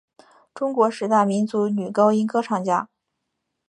中国十大民族女高音歌唱家。